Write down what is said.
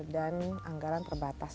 dan anggaran terbatas